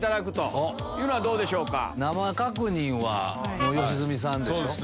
生確認は良純さんでしょ。